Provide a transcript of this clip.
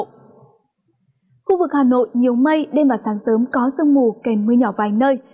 khu vực hà nội nhiều mây đêm và sáng sớm có sương mù kèm mưa nhỏ vài nơi